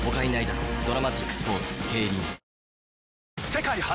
世界初！